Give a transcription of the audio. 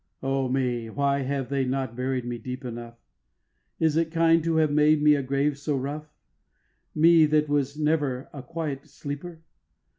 11. O me, why have they not buried me deep enough? Is it kind to have made me a grave so rough, Me, that was never a quiet sleeper?